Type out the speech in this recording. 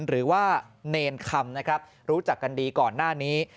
หรือว่าเนรคำนะครับรู้จักกันดีก่อนหน้านี้